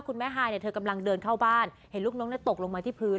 คุณแม่ไฮเธอกำลังเดินเข้าบ้านเห็นลูกนกตกลงมาที่พื้น